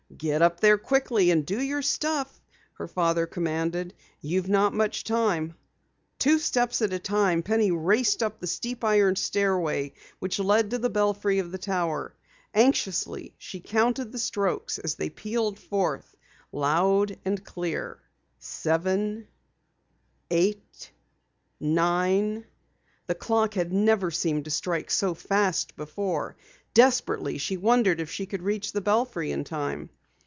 "Get up there quickly and do your stuff!" her father commanded. "You've not much time!" Two steps at a time, Penny raced up the steep iron stairway which led to the belfry of the Tower. Anxiously, she counted the strokes as they pealed forth loud and clearly. Eight nine ten. The clock had never seemed to strike so fast before. Desperately she wondered if she could reach the belfry in time.